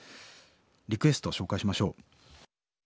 リクエストを紹介しましょう。